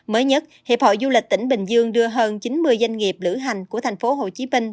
mới nhất hiệp hội du lịch tỉnh bình dương đưa hơn chín mươi doanh nghiệp lửa hành của thành phố hồ chí minh